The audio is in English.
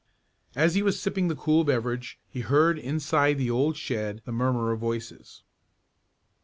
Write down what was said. As he was sipping the cool beverage he heard inside the old shed the murmur of voices.